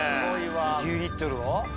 ２０リットルを？